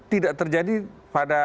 tidak terjadi pada